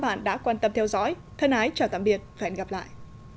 bạn đã quan tâm theo dõi thân ái chào tạm biệt và hẹn gặp lại